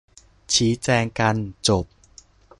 ชี้แจงกัน จบ